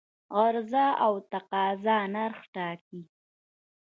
عرضه او تقاضا نرخ ټاکي.